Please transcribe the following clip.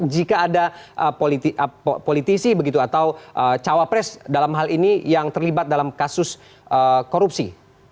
jika ada politisi begitu atau cawapres dalam hal ini yang terlibat dalam kasus korupsi